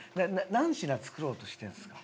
何品作ろうとしてるんですか？